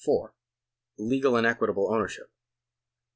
Legal and equitable ownership.